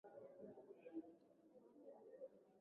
Alostasisi ni mchakato wa kufikia udhabiti kwa mabadiliko